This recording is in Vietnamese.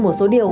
một số điều